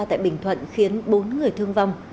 tại bình thuận khiến bốn người thương vong